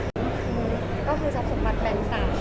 แล้วก็คือสรรพบัตรแบ่ง๓